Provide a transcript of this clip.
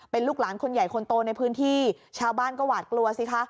เป็นลูกหลานคนใหญ่คนโตในพื้นที่ชาวบ้านก็หวาดกลัวสิคะ